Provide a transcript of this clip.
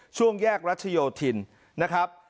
ช่วงแยกรัชโยธินนะครับ